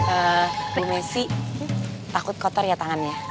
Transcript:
eh bu messi takut kotor ya tangannya